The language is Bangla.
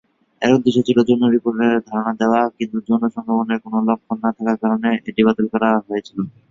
এর উদ্দেশ্য ছিল যৌন নিপীড়নের ধারণা দেওয়া, কিন্তু যৌন সঙ্গমের কোন লক্ষণ না থাকার কারণে, এটি বাতিল করা হয়েছিল।